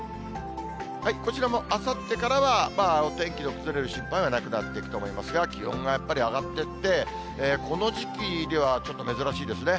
こちらもあさってからは、お天気の崩れる心配はなくなっていくと思いますが、気温がやっぱり上がってって、この時期ではちょっと珍しいですね。